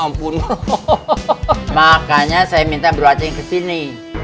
makanya saya minta bro acing ke sini